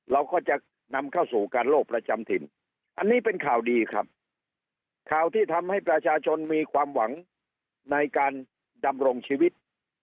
เราก็จะนำเข้าสู่การโลกประจำถิ่นอันนี้เป็นข่าวดีครับข่าวที่ทำให้ประชาชนมีความหวังในการดำรงชีวิต